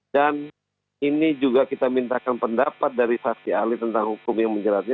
dan ini juga kita mintakan pendapat dari saksi ahli tentang hukum yang menjelatnya